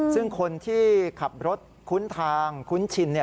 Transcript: ซึ่งคนที่ขับรถคุ้นทางคุ้นชิน